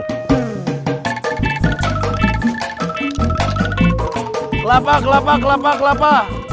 kelapa kelapa kelapa kelapa